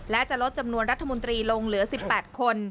และจะลดจำนวนรัฐมนตรีลงเหลือ๑๘คน